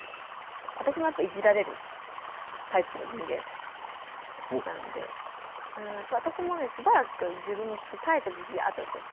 わたしもやっぱりいじられるタイプの人間なんでわたしもねしばらくたえた時期があったんですよ。